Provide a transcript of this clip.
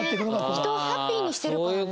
人をハッピーにしてるからね。